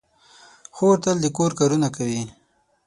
خور تل د کور کارونه کوي.